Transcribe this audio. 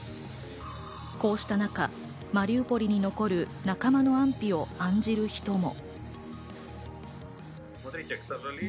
こうした中、マリウポリに残る仲間の安否を案じる人も。